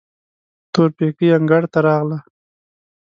تورپيکۍ انګړ ته راغله.